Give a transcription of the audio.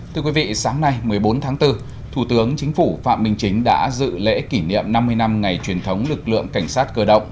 thưa quý vị sáng nay một mươi bốn tháng bốn thủ tướng chính phủ phạm minh chính đã dự lễ kỷ niệm năm mươi năm ngày truyền thống lực lượng cảnh sát cơ động